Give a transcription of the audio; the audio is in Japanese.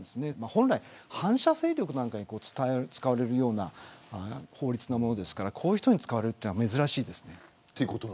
本来、反社勢力に使われるような法律ですからこういう人に使われるのは珍しいです。